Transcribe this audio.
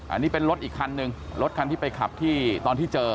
อันนี้เป็นรถอีกคันนึงรถคันที่ไปขับที่ตอนที่เจอ